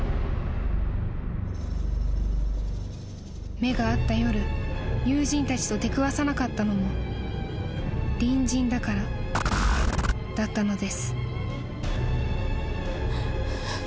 ［目が合った夜友人たちと出くわさなかったのも隣人だからだったのです］